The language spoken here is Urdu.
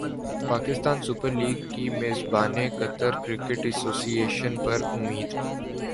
پاکستان سپر لیگ کی میزبانیقطر کرکٹ ایسوسی ایشن پر امید